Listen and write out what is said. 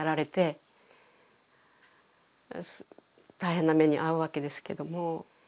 大変な目に遭うわけですけども。